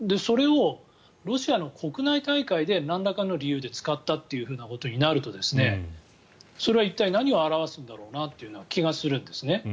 それをロシアの国内大会でなんらかの理由で使ったということになるとそれは一体何を表すだろうなって気がするんですよね。